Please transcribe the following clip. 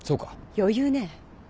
余裕ね。